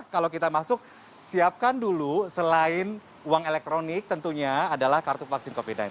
kalau kita masuk siapkan dulu selain uang elektronik tentunya adalah kartu vaksin covid sembilan belas